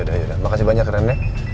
oh yaudah makasih banyak ren ya